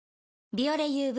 「ビオレＵＶ」